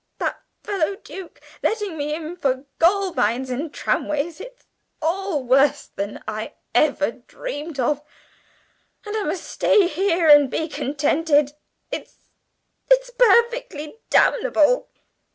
That fellow Duke letting me in for gold mines and tramways! It's all worse than I ever dreamed of; and I must stay here and be 'contented!' It's it's perfectly damnable!"